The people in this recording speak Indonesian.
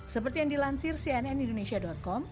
seperti yang dilansir cnn indonesia com